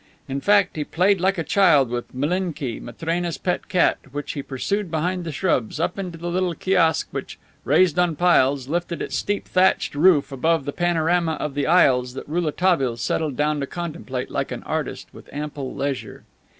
In fact, he played like a child with Milinki, Matrena's pet cat, which he pursued behind the shrubs, up into the little kiosque which, raised on piles, lifted its steep thatched roof above the panorama of the isles that Rouletabille settled down to contemplate like an artist with ample leisure.